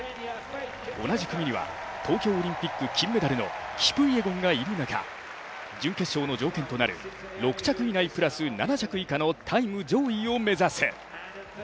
同じ組には東京オリンピック金メダルのキプイエゴンがいる中、準決勝の条件となる６着以内プラス７着以下のタイム上位を目指す。